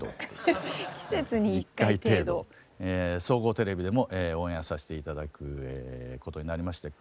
１回程度総合テレビでもオンエアさして頂くことになりまして。